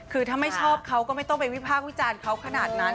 คือถ้าไม่ชอบเขาก็ไม่ต้องไปวิพากษ์วิจารณ์เขาขนาดนั้น